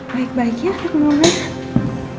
baik baik ya ke rumah